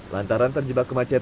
lantaran terjebak kemacetan